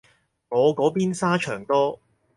我嗰邊沙場多